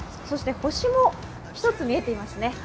そして星も１つ見えていますね。